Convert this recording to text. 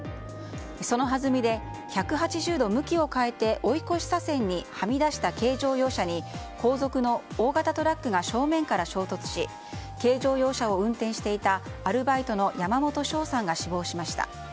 そのはずみで１８０度向きを変えて追い越し車線にはみ出した軽乗用車に後続の大型トラックが正面から衝突し軽乗用車を運転していたアルバイトの山本翔さんが死亡しました。